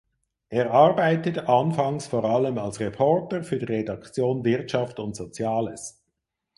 Er arbeitete anfangs vor allem als Reporter für die Redaktion Wirtschaft und Soziales.